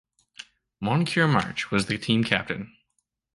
Moncure March was the team captain.